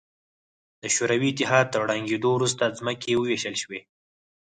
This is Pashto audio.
د شوروي اتحاد تر ړنګېدو وروسته ځمکې ووېشل شوې.